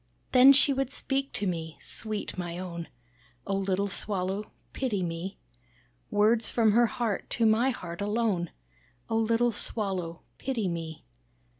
"Then she would speak to me, sweet my own! Oh little Swallow pity me, Words from her heart to my heart alone, Oh little Swallow pity me.